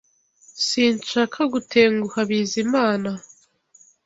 Sinshaka gutenguha Bizimana